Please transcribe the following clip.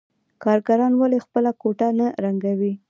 کارګران ولې خپله کوټه نه رنګوي